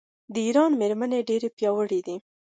د ایران میرمنې ډیرې پیاوړې دي.